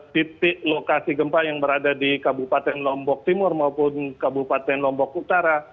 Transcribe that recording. titik lokasi gempa yang berada di kabupaten lombok timur maupun kabupaten lombok utara